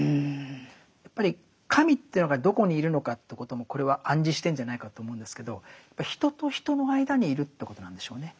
やっぱり神というのがどこにいるのかということもこれは暗示してるんじゃないかと思うんですけどやっぱ人と人の間にいるということなんでしょうね。